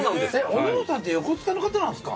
おりょうさんって横須賀の方なんすか？